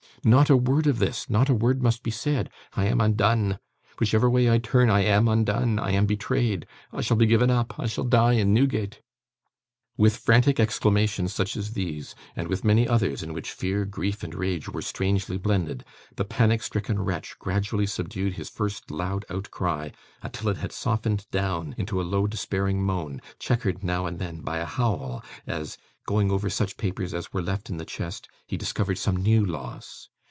Not a word of this; not a word must be said. I am undone. Whichever way I turn, I am undone. I am betrayed. I shall be given up. I shall die in Newgate!' With frantic exclamations such as these, and with many others in which fear, grief, and rage, were strangely blended, the panic stricken wretch gradually subdued his first loud outcry, until it had softened down into a low despairing moan, chequered now and then by a howl, as, going over such papers as were left in the chest, he discovered some new loss.